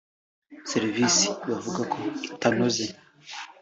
serivisi bavuga ko itanoze